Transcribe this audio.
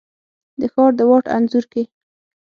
د ښار د واټ انځور کي،